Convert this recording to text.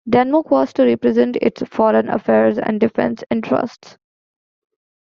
Denmark was to represent its foreign affairs and defense interests.